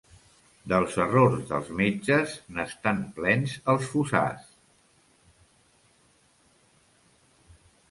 Dels errors dels metges, n'estan plens els fossars.